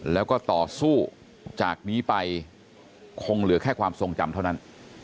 แล้วก็ต่อสู้จากนี้ไปคงเหลือแค่ความทรงจำเท่านั้น